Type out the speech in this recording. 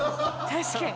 確かに。